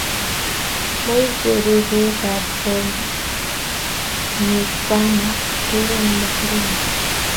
moicheruu beekab kong nyikana, riren mugulel